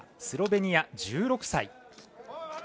スロベニア、１６歳。